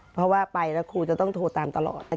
เพราะว่าไปแล้วครูจะต้องโทรตามตลอด